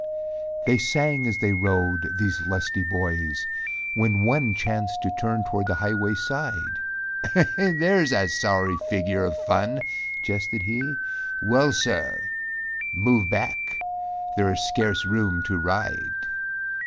They sang as they rode, these lusty boys, When one chanced to turn toward the highway's side, "There's a sorry figure of fun," jested he, "Well, Sirrah! move back, there is scarce room to ride."